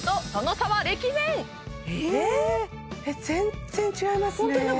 全然違いますね